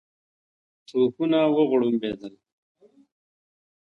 توپونه وغړومبېدل.